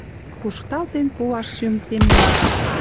Кушталтен пуаш, шӱм теммеш!